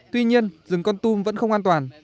tuy nhiên rừng con tum vẫn không an toàn